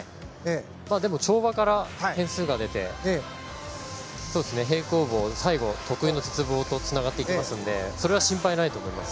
でも跳馬から点数が出て平行棒、最後得意の鉄棒とつながっていきますのでそれは心配ないと思います。